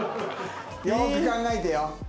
よく考えてよ